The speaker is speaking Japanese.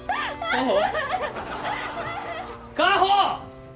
果歩！